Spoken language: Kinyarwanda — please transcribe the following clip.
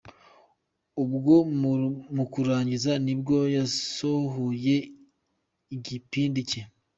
Ubwo mu kurangiza nibwo yasohoye igipindi cye.